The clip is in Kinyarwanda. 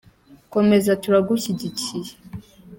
komeza turagushyigikikiye.